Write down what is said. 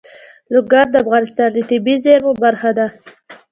لوگر د افغانستان د طبیعي زیرمو برخه ده.